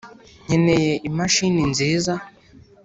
nkeneye imashini nziza